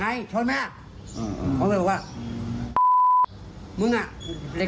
ไม่ไรครับได้เลยกลับบ้านเลย